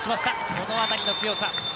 この辺りの強さ。